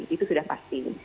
itu sudah pasti